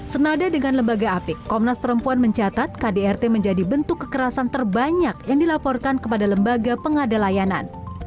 senada dengan lembaga apik komnas perempuan mencatat kdrt menjadi bentuk kekerasan terbanyak yang dilaporkan kepada lembaga pengada layanan